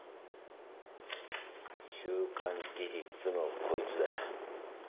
「週刊事実」のこいつだ。